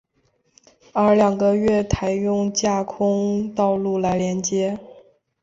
而两个月台用架空道路来连接。